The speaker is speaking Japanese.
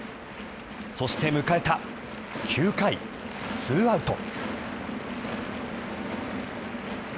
そして迎えた、９回２アウト。